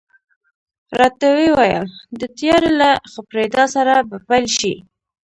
راته وې ویل، د تیارې له خپرېدا سره به پیل شي.